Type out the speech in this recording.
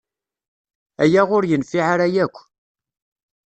Aya ur yenfiɛ ara akk.